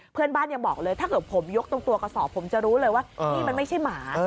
เพื่อนบ้านยังบอกเลยถ้าเกิดผมยกตรงตัวกระสอบผมจะรู้เลยว่านี่มันไม่ใช่หมา